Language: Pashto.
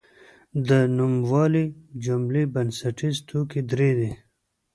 د نوموالي جملې بنسټیز توکي درې دي.